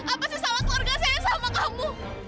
apa sih sama keluarga saya sama kamu